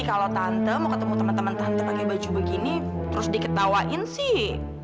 kalau tante mau ketemu teman teman tante pakai baju begini terus diketawain sih